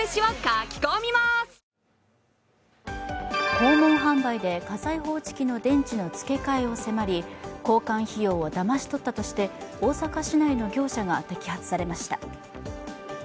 訪問販売で火災報知器の電池のつけ替えを迫り、交換費用をだまし取ったとして、大阪市内の業者が摘発されました。